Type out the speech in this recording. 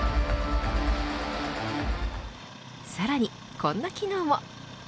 さらにこんな機能も。